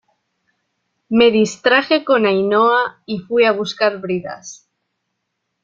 me distraje con Ainhoa y fui a buscar bridas